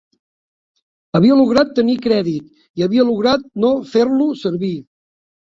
Havia lograt tenir crèdit i havia lograt no fer-lo servir